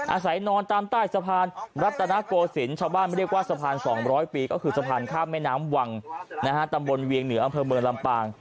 อาศัยนอนตามใต้สะพานรัตนโกศิลป์ชาวบ้านเรียกว่าสะพาน๒๐๐ปีก็คือสะพานข้ามแม่น้ำวังตำบลเวียงเหนืออำเภอเมืองลำปาง